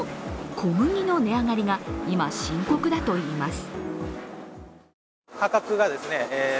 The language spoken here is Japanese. ・小麦の値上がりが今、深刻だといいます。